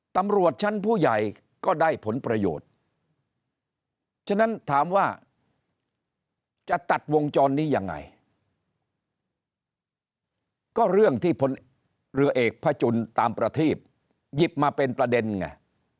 ตำรวจชั้นผู้ใหญ่ก็ได้ผลประโยชน์ฉะนั้นถามว่าจะตัดวงจรนี้ยังไงก็เรื่องที่พลเรือเอกพระจุลตามประทีบหยิบมาเป็นประเด็นไง